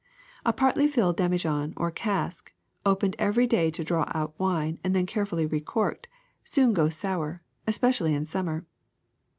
A partly filled demijohn or cask, opened every day to draw out wine and then carefully recorked, soon goes sour, especially in sum mer.